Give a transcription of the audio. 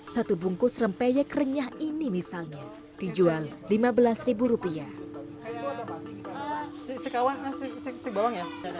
satu bungkus rempeyek renyah ini misalnya dijual lima belas rupiah